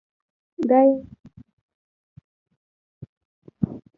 دا یوه علمي او ښوونیزه تخصصي جلسه ده.